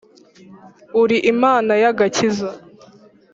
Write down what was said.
uri imana y'agakiza